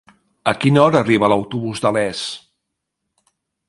A quina hora arriba l'autobús de Les?